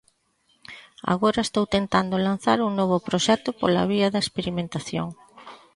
Agora estou tentando lanzar un novo proxecto pola vía da experimentación.